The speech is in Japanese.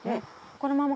このまま？